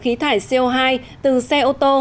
khí thải co hai từ xe ô tô